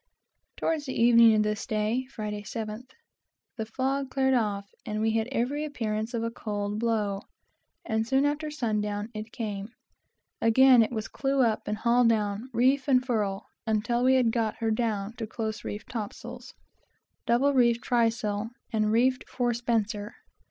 Towards the evening of this day, (Friday 7th,) the fog cleared off, and we had every appearance of a cold blow; and soon after sun down it came on. Again it was clew up and haul down, reef and furl, until we had got her down to close reefed topsails, double reefed trysail, and reefed forespenser.